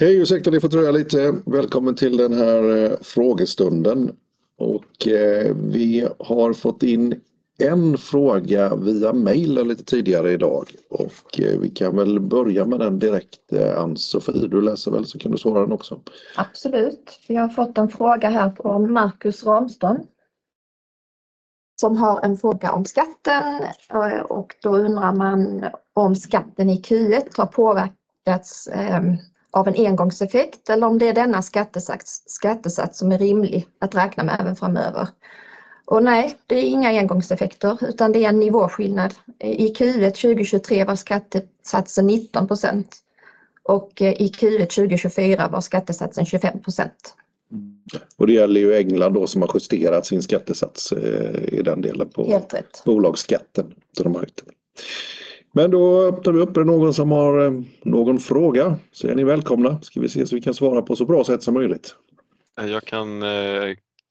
Hej och ursäkta att ni får dröja lite. Välkommen till den här frågestunden. Vi har fått in en fråga via mejl lite tidigare idag, och vi kan väl börja med den direkt. Ann-Sofie, du läser väl så kan du svara den också? Absolut. Vi har fått en fråga här från Marcus Ramström som har en fråga om skatten. Då undrar man om skatten i Q1 har påverkats av en engångseffekt eller om det är denna skattesats som är rimlig att räkna med även framöver. Nej, det är inga engångseffekter utan det är en nivåskillnad. I Q1 2023 var skattesatsen 19% och i Q1 2024 var skattesatsen 25%. Och det gäller ju England då som har justerat sin skattesats i den delen på bolagsskatten där de har höjt den. Men då öppnar vi upp för någon som har någon fråga, så är ni välkomna. Ska vi se så vi kan svara på så bra sätt som möjligt. Jag kan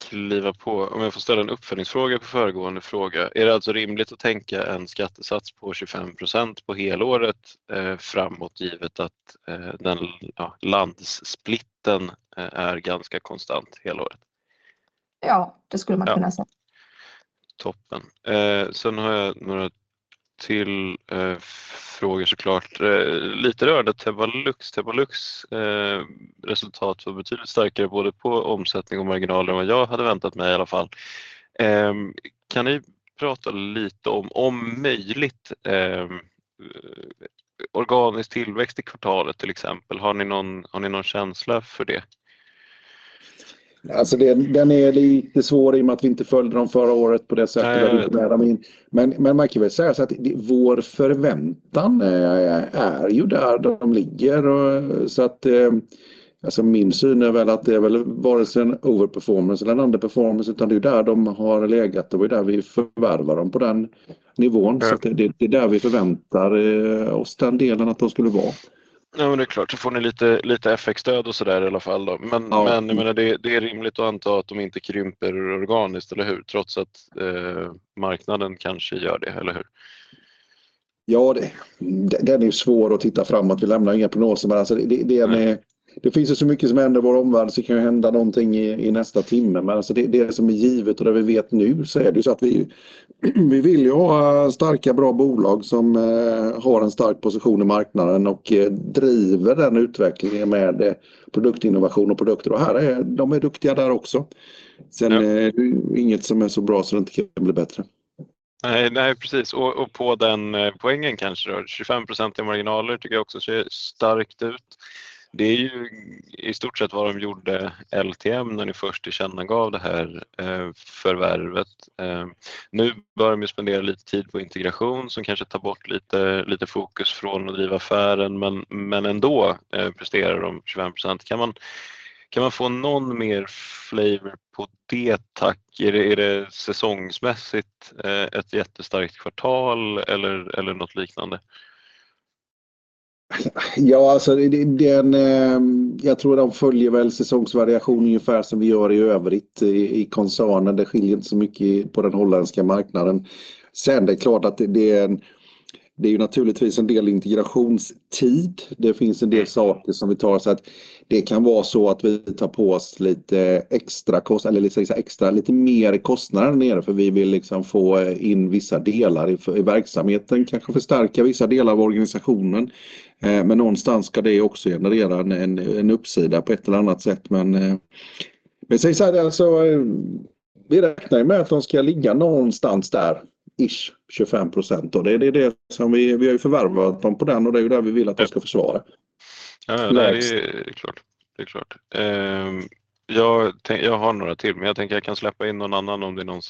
kliva på om jag får ställa en uppföljningsfråga på föregående fråga. Är det alltså rimligt att tänka en skattesats på 25% på helåret framåt givet att den landssplitten är ganska konstant helåret? Ja, det skulle man kunna säga. Toppen. Sen har jag några till frågor såklart. Lite rörande Tebalux. Tebalux resultat var betydligt starkare både på omsättning och marginaler än vad jag hade väntat mig i alla fall. Kan ni prata lite om, om möjligt, organisk tillväxt i kvartalet till exempel? Har ni någon känsla för det? Alltså, den är lite svår i och med att vi inte följde dem förra året på det sättet och inte med dem in. Men man kan väl säga så att vår förväntan är ju där de ligger. Så att alltså, min syn är väl att det är väl varken overperformance eller underperformance utan det är ju där de har legat. Det var ju där vi förvärvar dem på den nivån. Så att det är där vi förväntar oss den delen att de skulle vara. Ja, men det är klart. Så får ni lite FX-stöd och så där i alla fall då. Men jag menar, det är rimligt att anta att de inte krymper organiskt, eller hur? Trots att marknaden kanske gör det, eller hur? Ja, den är ju svår att titta framåt. Vi lämnar inga prognoser. Men det finns ju så mycket som händer i vår omvärld. Det kan ju hända någonting i nästa timme. Men det som är givet och det vi vet nu så är det ju så att vi vill ju ha starka, bra bolag som har en stark position i marknaden och driver den utvecklingen med produktinnovation och produkter. Här är de duktiga där också. Sen är det inget som är så bra så det inte kan bli bättre. Nej, nej precis. Och på den poängen kanske då. 25% i marginaler tycker jag också ser starkt ut. Det är ju i stort sett vad de gjorde LTM när ni först tillkännagav det här förvärvet. Nu börjar de ju spendera lite tid på integration som kanske tar bort lite fokus från att driva affären. Men ändå presterar de 25%. Kan man få någon mer flavor på det, tack? Är det säsongsmässigt ett jättestarkt kvartal eller något liknande? Ja, alltså, det är en jag tror de följer väl säsongsvariation ungefär som vi gör i övrigt i koncernen. Det skiljer inte så mycket på den holländska marknaden. Sen är det klart att det är ju naturligtvis en del integrationstid. Det finns en del saker som vi tar. Så att det kan vara så att vi tar på oss lite extra kostnader eller lite mer kostnader där nere, för vi vill få in vissa delar i verksamheten. Kanske förstärka vissa delar av organisationen. Men någonstans ska det också generera en uppsida på ett eller annat sätt. Men säg så här, vi räknar ju med att de ska ligga någonstans där, 25% då. Det är det som vi har ju förvärvat dem på den, och det är ju där vi vill att de ska försvara. Ja, nej, det är klart. Det är klart. Jag har några till. Men jag tänker att jag kan släppa in någon annan om det är någon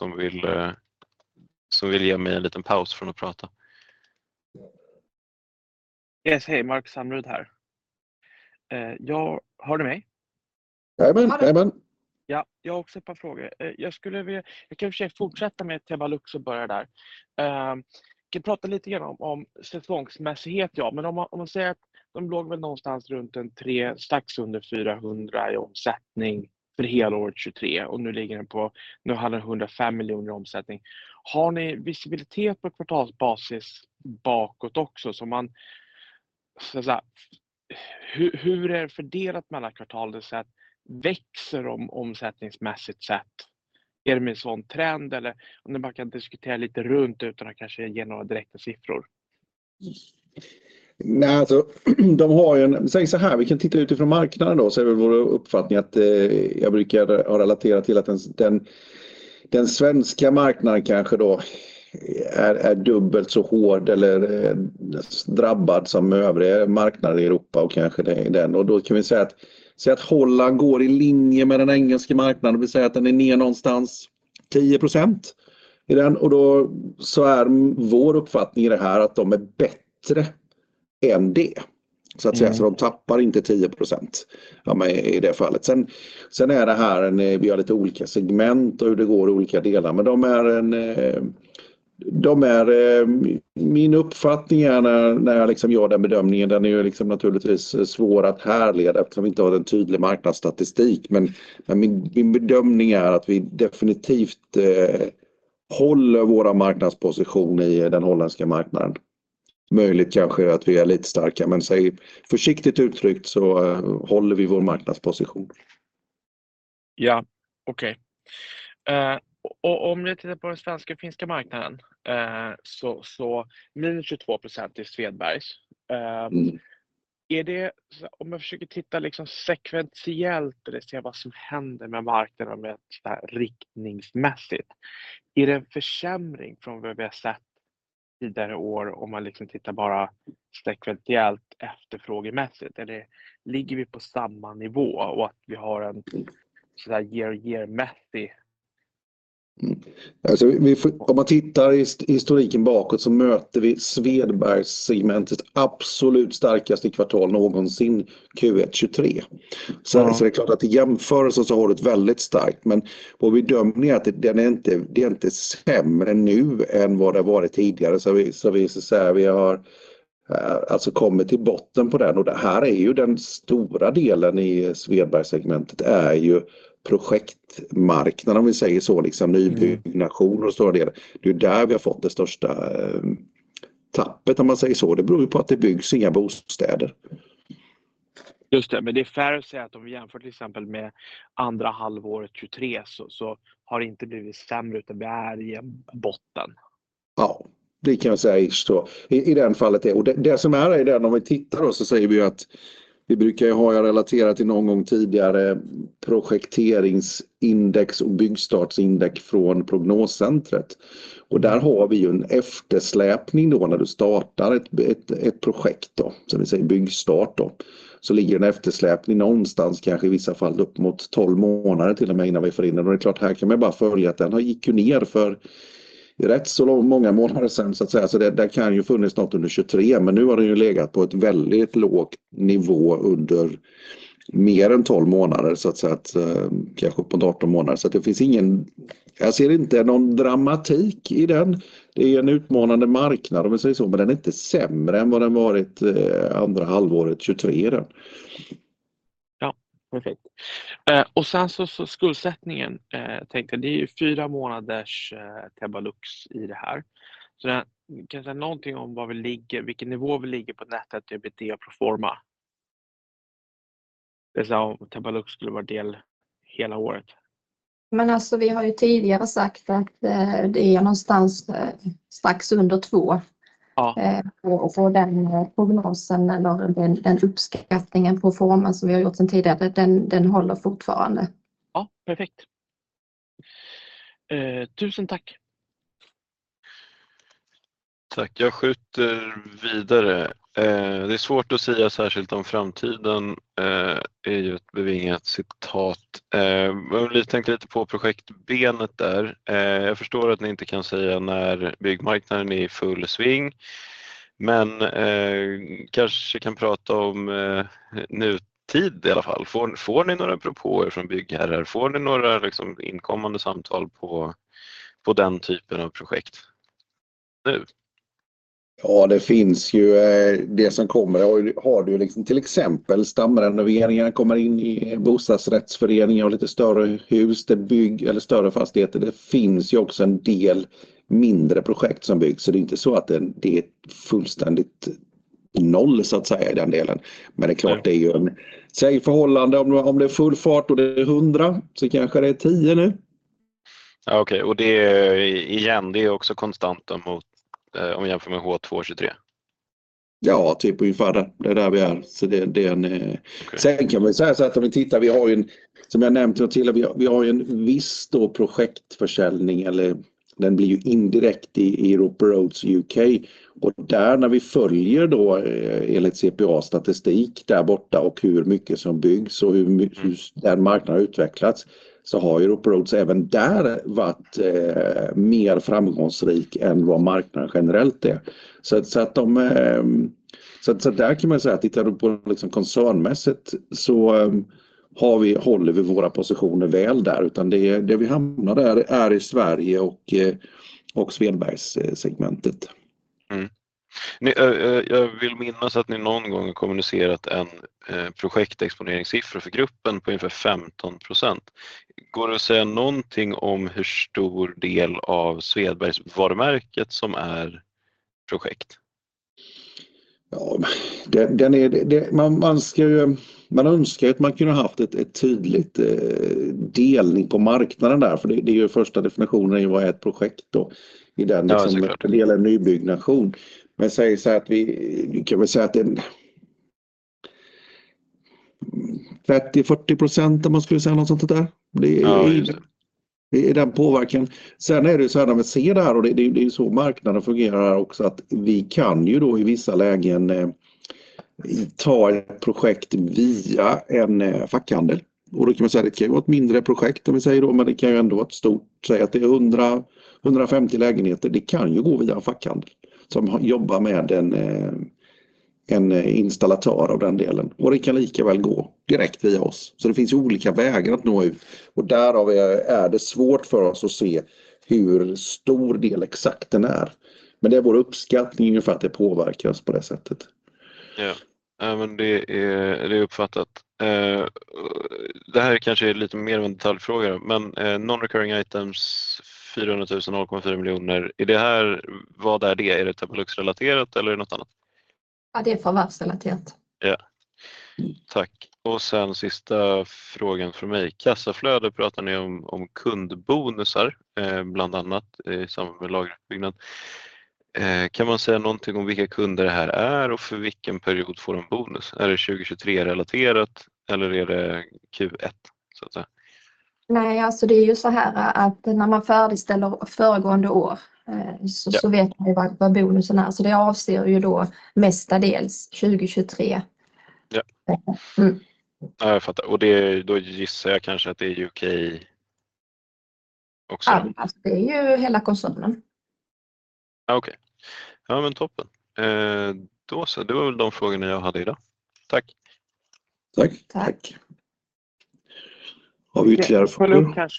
som vill ge mig en liten paus från att prata. Yes, hej. Marcus Hamrud här. Ja, hör du mig? Nej, men nej, men. Ja, jag har också ett par frågor. Jag skulle vilja, jag kan försöka fortsätta med Tebalux och börja där. Vi kan prata lite grann om säsongsmässighet, ja. Men om man säger att de låg väl någonstans runt en tre, strax under 400 miljoner i omsättning för helåret 2023. Och nu ligger den på, nu handlar det om 105 miljoner i omsättning. Har ni visibilitet på kvartalsbasis bakåt också? Så man, så att säga, hur är det fördelat mellan kvartalen? Så att växer de omsättningsmässigt sett? Är det med en sådan trend? Eller om ni bara kan diskutera lite runt utan att kanske ge några direkta siffror. Nej, alltså, de har ju en, säg så här, vi kan titta utifrån marknaden då. Så är väl vår uppfattning att jag brukar ha relaterat till att den svenska marknaden kanske då är dubbelt så hård eller drabbad som övriga marknader i Europa. Och kanske det är den. Och då kan vi säga att Holland går i linje med den engelska marknaden. Och vi säger att den är ner någonstans 10% i den. Och då så är vår uppfattning i det här att de är bättre än det. Så att säga, så de tappar inte 10%. Ja, men i det fallet. Sen är det här en, vi har lite olika segment och hur det går i olika delar. Men de är en, de är min uppfattning är när jag gör den bedömningen. Den är ju liksom naturligtvis svår att härleda eftersom vi inte har en tydlig marknadsstatistik. Men min bedömning är att vi definitivt håller vår marknadsposition i den holländska marknaden. Möjligt kanske att vi är lite starkare. Men säg försiktigt uttryckt så håller vi vår marknadsposition. Ja, okej. Och om jag tittar på den svenska och finska marknaden så minus 22% i Svedbergs. Är det, om jag försöker titta liksom sekventiellt eller se vad som händer med marknaden riktmässigt. Är det en försämring från vad vi har sett tidigare år om man liksom tittar bara sekventiellt efterfrågemässigt? Ligger vi på samma nivå och att vi har en såhär year-to-year-mässig utveckling? Alltså, vi får om man tittar i historiken bakåt så möter vi Svedbergs-segmentets absolut starkaste kvartal någonsin Q1-23. Så det är klart att i jämförelse så har det ett väldigt starkt. Men vad vi bedömer är att den är inte sämre nu än vad det har varit tidigare. Så vi säger att vi har alltså kommit till botten på den. Det här är ju den stora delen i Svedbergs-segmentet. Det är ju projektmarknaden om vi säger så. Nybyggnation och stora delar. Det är ju där vi har fått det största tappet om man säger så. Det beror ju på att det byggs inga bostäder. Just det. Men det är fair att säga att om vi jämför till exempel med andra halvåret 2023 så har det inte blivit sämre utan vi är i botten. Ja, det kan vi säga i så fall. Och det som är, om vi tittar då så säger vi ju att vi brukar ju ha relaterat till någon gång tidigare projekteringsindex och byggstartsindex från prognoscentret. Och där har vi ju en eftersläpning då när du startar ett projekt då. Så vi säger byggstart då. Så ligger den eftersläpningen någonstans kanske i vissa fall upp mot 12 månader till och med innan vi får in den. Och det är klart här kan man ju bara följa att den gick ju ner för rätt så många månader sedan så att säga. Så där kan ju funnits något under 2023. Men nu har den ju legat på ett väldigt lågt nivå under mer än 12 månader så att säga. Kanske upp mot 18 månader. Så det finns ingen, jag ser inte någon dramatik i den. Det är ju en utmanande marknad om vi säger så. Men den är inte sämre än vad den varit andra halvåret 2023. Ja, perfekt. Och sen så skuldsättningen tänkte jag. Det är ju fyra månaders Tebalux i det här. Så kan du säga någonting om var vi ligger? Vilken nivå vi ligger på netto EBITDA och proforma? Om Tebalux skulle vara del hela året. Men alltså, vi har ju tidigare sagt att det är någonstans strax under 2. Och den prognosen eller den uppskattningen proforma som vi har gjort sedan tidigare, den håller fortfarande. Ja, perfekt. Tusen tack. Tack. Jag skjuter vidare. Det är svårt att säga särskilt om framtiden. Det är ju ett bevingat citat. Vi tänkte lite på projektbenet där. Jag förstår att ni inte kan säga när byggmarknaden är i full sving. Men kanske kan prata om nutid i alla fall. Får ni några propåer från byggherrar? Får ni några inkommande samtal på den typen av projekt nu? Ja, det finns ju det som kommer. Har du ju till exempel stamrenoveringar kommer in i bostadsrättsföreningar och lite större hus där bygg eller större fastigheter. Det finns ju också en del mindre projekt som byggs. Så det är inte så att det är fullständigt noll så att säga i den delen. Men det är klart, det är ju en säg förhållande. Om det är full fart och det är 100 så kanske det är 10 nu. Ja, okej. Och det är igen, det är också konstant om jämför med H2-2023. Ja, typ ungefär. Det är där vi är. Så det är en sen kan man ju säga så att om vi tittar, vi har ju en som jag har nämnt något till. Vi har ju en viss då projektförsäljning eller den blir ju indirekt i Rope Roads UK. Och där när vi följer då enligt CPA-statistik där borta och hur mycket som byggs och hur den marknaden har utvecklats. Så har ju Rope Roads även där varit mer framgångsrik än vad marknaden generellt är. Så där kan man ju säga att tittar du på liksom koncernmässigt så har vi håller vi våra positioner väl där. Utan det vi hamnar där är i Sverige och Svedbergs-segmentet. Jag vill minnas att ni någon gång har kommunicerat en projektexponeringssiffra för gruppen på ungefär 15%. Går det att säga någonting om hur stor del av Svedbergs varumärke som är projekt? Ja, den är det man ska ju, man önskar ju att man kunde haft en tydlig delning på marknaden där. För det är ju första definitionen är ju vad är ett projekt då i den liksom fördelade nybyggnation. Men säg så här att vi kan väl säga att det är 30-40% om man skulle säga något sånt där. Det är ju i den påverkan. Sen är det ju så här när vi ser det här och det är ju så marknaden fungerar här också. Att vi kan ju då i vissa lägen ta ett projekt via en fackhandel. Och då kan man säga att det kan ju vara ett mindre projekt om vi säger då. Men det kan ju ändå vara ett stort, säg att det är 150 lägenheter. Det kan ju gå via en fackhandel som jobbar med en installatör av den delen. Och det kan lika väl gå direkt via oss. Så det finns ju olika vägar att nå ut. Och där har vi, är det svårt för oss att se hur stor del exakt den är. Men det är vår uppskattning ungefär att det påverkas på det sättet. Ja, nej men det är uppfattat. Det här kanske är lite mer av en detaljfråga. Men non-recurring items, 400,000, 0.4 miljoner. Vad är det här? Är det Tebalux-relaterat eller är det något annat? Ja, det är förvärvsrelaterat. Ja, tack. Och sen sista frågan från mig. Kassaflöde, pratar ni om kundbonusar bland annat i samband med lageruppbyggnad. Kan man säga någonting om vilka kunder det här är och för vilken period får de bonus? Är det 2023-relaterat eller är det Q1 så att säga? Nej, alltså det är ju så här att när man föreställer föregående år så vet man ju vad bonusen är. Så det avser ju då mestadels 2023. Ja, jag fattar. Och det då gissar jag kanske att det är UK också? Ja, alltså det är ju hela koncernen. Ja, okej. Ja, men toppen. Då så, det var väl de frågorna jag hade idag. Tack. Tack. Tack. Har vi ytterligare frågor?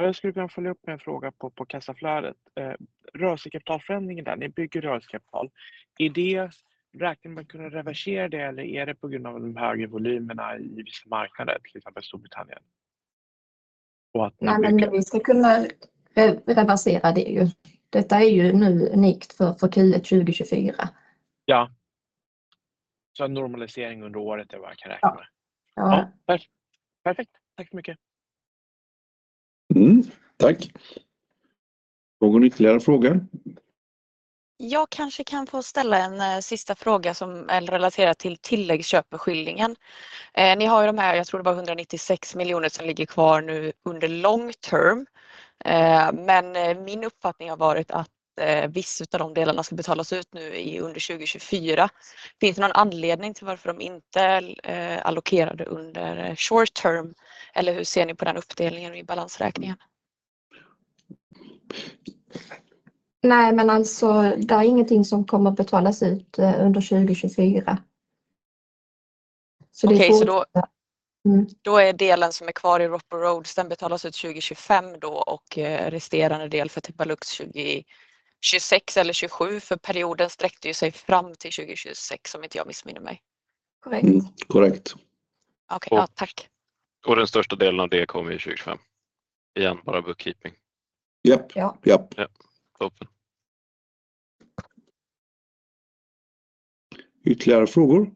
Jag skulle kunna följa upp med en fråga på kassaflödet. Rörelsekapitalförändringen där, ni bygger rörelsekapital. Är det räknar ni med att kunna reversera det eller är det på grund av de högre volymerna i vissa marknader, till exempel Storbritannien? Nej, men vi ska kunna reversera det ju. Detta är ju nu unikt för Q1 2024. Ja. Så en normalisering under året är vad jag kan räkna med. Ja. Ja, perfekt. Tack så mycket. Tack. Någon ytterligare fråga? Jag kanske kan få ställa en sista fråga som är relaterad till tilläggsköpeskyldigheten. Ni har ju de här, jag tror det var 196 miljoner som ligger kvar nu under long term. Men min uppfattning har varit att vissa av de delarna ska betalas ut nu under 2024. Finns det någon anledning till varför de inte är allokerade under short term? Eller hur ser ni på den uppdelningen i balansräkningen? Nej, men alltså det är ingenting som kommer att betalas ut under 2024. Så det är svårt. Okej, så då är delen som är kvar i Rope Roads, den betalas ut 2025 då. Resterande del för Tebalux 2026 eller 2027. Perioden sträckte ju sig fram till 2026 om inte jag missminner mig. Korrekt. Korrekt. Okej, ja tack. Och den största delen av det kommer ju 2025. Igen bara bookkeeping. Japp. Ja. Japp. Ja. Toppen. Ytterligare frågor?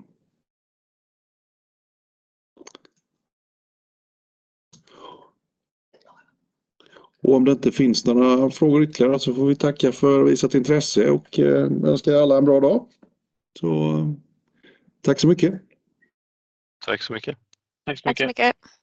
Och om det inte finns några frågor ytterligare så får vi tacka för att ni visat intresse. Och önska alla en bra dag. Så tack så mycket. Tack så mycket. Tack så mycket. Tack så mycket.